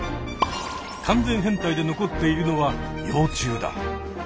完全変態で残っているのは幼虫だ。